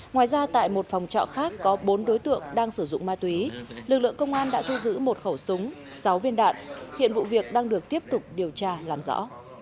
ngoài ra tại một phòng trọ khác có bốn đối tượng đang sử dụng ma túy lực lượng công an đã thu giữ một khẩu súng sáu viên đạn hiện vụ việc đang được tiếp tục điều tra làm rõ